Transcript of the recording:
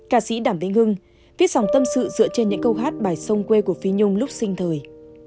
cà sĩ đảm vĩnh hưng viết sòng tâm sự dựa trên những câu hát bài sông quê của phi nhung lúc sinh thời